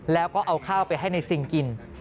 แล้วก็เอาข้าวไปให้ในซิงกิน